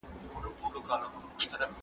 بې عدالتي انسان ته درد ورکوي.